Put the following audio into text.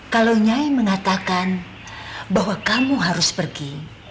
kalau nyai mengatakan bahwa kamu harus pergi